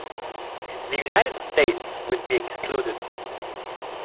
The United States would be excluded.